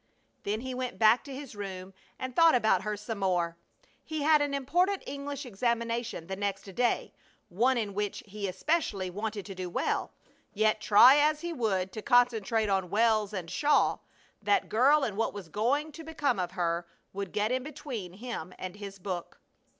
Then he went back to his room and thought about her some more. He had an important English examination the next day, one in which he especially wanted to do well; yet try as he would to concentrate on Wells and Shaw, that girl and what was going to become of her would get in between him and his book.